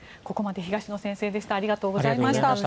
ここまで東野先生でした。